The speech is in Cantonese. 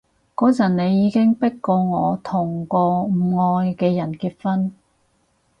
嗰陣你已經迫過我同個唔愛嘅人結婚